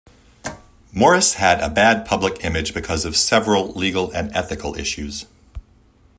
Morris has had a bad public image because of several legal and ethical issues.